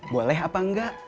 boleh apa enggak